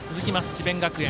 智弁学園。